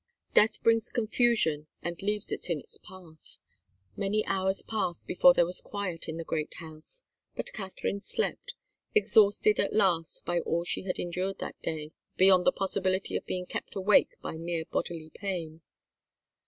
Death brings confusion and leaves it in his path. Many hours passed before there was quiet in the great house, but Katharine slept, exhausted at last by all she had endured that day, beyond the possibility of being kept awake by mere bodily pain.